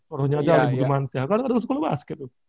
orang nyadar bukan manusia kan ada sekolah basket